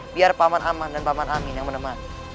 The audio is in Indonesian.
biar paman aman dan paman amin yang meneman